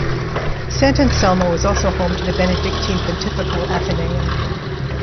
Sant'Anselmo is also home to the Benedictine Pontifical Athenaeum.